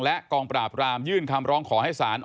และกองปราบรามยื่นคำร้องขอให้ศาล